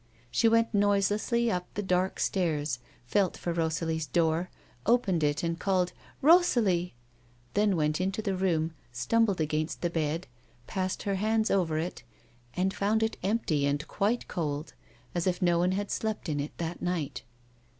She went noiselessly up the dark stairs, felt for Rosalie's door, opened it, and called " Eosalie !" then went into the room, stumbled against the bed, passed her hands over it, and found it empty and quite cold, as if no one had slept in it that night.